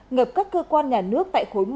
ngập các cơ quan nhà nước tại khối một